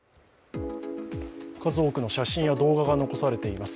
数多くの写真や動画が残されています。